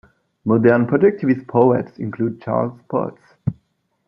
Modern projectivist poets include Charles Potts.